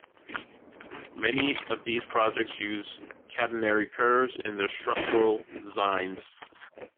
Many of these projects use catenary curves in their structural designs.